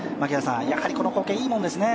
やはりこの光景、いいものですね。